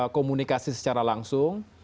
komunikasi secara langsung